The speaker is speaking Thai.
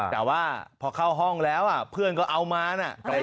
แต่ว่าพอเข้าห้องแล้วเพื่อนก็เอามานะ